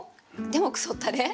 でも「くそったれ」？